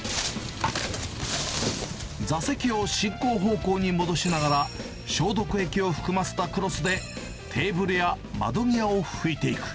座席を進行方向に戻しながら、消毒液を含ませたクロスで、テーブルや窓際を拭いていく。